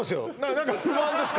何か不安ですか？